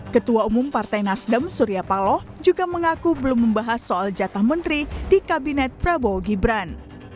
ketua umum partai nasdem surya paloh juga mengaku belum membahas soal jatah menteri di kabinet prabowo gibran